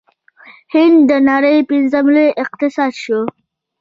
هند د نړۍ پنځم لوی اقتصاد شو.